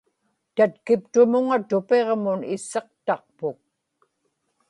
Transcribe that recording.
tatkiptumuŋa tupiġmun isiqtaqpuk